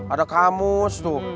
ada kamus tuh